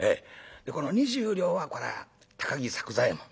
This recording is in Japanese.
この２０両はこれは高木作久左右衛門。